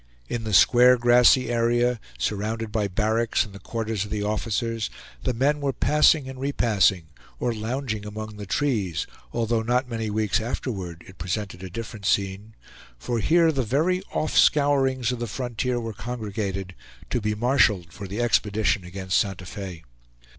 In the square grassy area, surrounded by barracks and the quarters of the officers, the men were passing and repassing, or lounging among the trees; although not many weeks afterward it presented a different scene; for here the very off scourings of the frontier were congregated, to be marshaled for the expedition against Santa Fe.